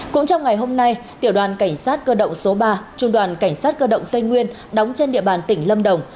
cũng trong ngày hôm nay tiểu đoàn cảnh sát cơ động số ba trung đoàn cảnh sát cơ động tây nguyên đóng trên địa bàn tỉnh lâm đồng